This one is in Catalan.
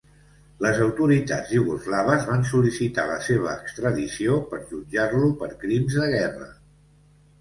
Les autoritats iugoslaves van sol·licitar la seva extradició per jutjar-lo per crims de guerra.